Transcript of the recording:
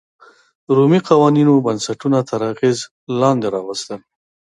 رومي قوانینو بنسټونه تر اغېز لاندې راوستل.